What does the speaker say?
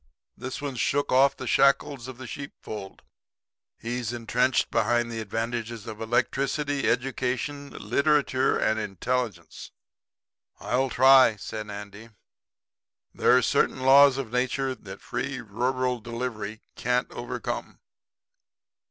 'This one's shook off the shackles of the sheep fold. He's entrenched behind the advantages of electricity, education, literature and intelligence.' "'I'll try,' said Andy. 'There are certain Laws of Nature that Free Rural Delivery can't overcome.'